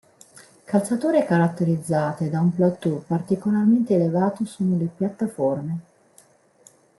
Calzature caratterizzate da un plateau particolarmente elevato sono le piattaforme.